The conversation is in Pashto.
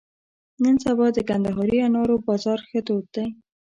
نن سبا د کندهاري انارو بازار ښه تود دی.